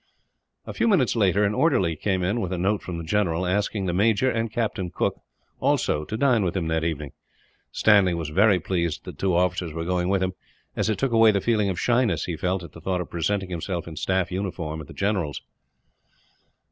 A few minutes later an orderly came in with a note from the general, asking the major and Captain Cooke also to dine with him that evening. Stanley was very pleased that the two officers were going with him, as it took away the feeling of shyness he felt, at the thought of presenting himself in staff uniform at the general's.